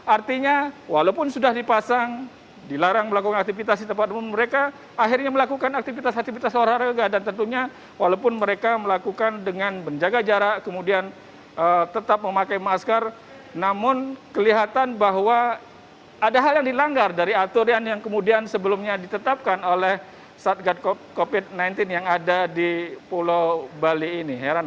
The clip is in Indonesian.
artinya walaupun sudah dipasang dilarang melakukan aktivitas di tempat umum mereka akhirnya melakukan aktivitas aktivitas warga dan tentunya walaupun mereka melakukan dengan menjaga jarak kemudian tetap memakai masker namun kelihatan bahwa ada hal yang dilanggar dari aturan yang kemudian sebelumnya ditetapkan oleh satgat covid sembilan belas yang ada di pulau bali ini